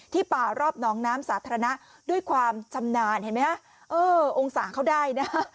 ป่ารอบน้องน้ำสาธารณะด้วยความชำนาญเห็นไหมฮะเออองศาเขาได้นะ